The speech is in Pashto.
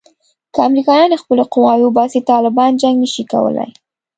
که امریکایان خپلې قواوې وباسي طالبان جنګ نه شي کولای.